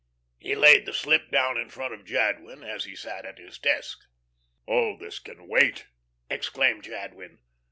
He laid the slip down in front of Jadwin, as he sat at his desk. "Oh, this can wait?" exclaimed Jadwin.